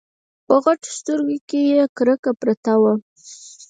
په غټو سترګو کې يې کرکه پرته وه.